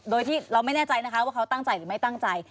โดยที่เราไม่แน่ใจนะคะว่าเขาตั้งใจหรือไม่ตั้งใจ